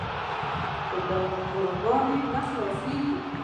خو دا غلاګانې نه خلاصېږي.